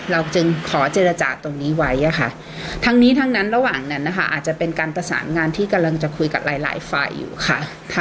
เราจึงขอเจรจาตรงนี้ไว้อะค่ะทั้งนี้ทั้งนั้นระหว่างนั้นนะคะอาจจะเป็นการประสานงานที่กำลังจะคุยกับหลายหลายฝ่ายอยู่ค่ะ